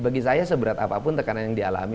bagi saya seberat apapun tekanan yang dialami